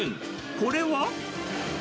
これは？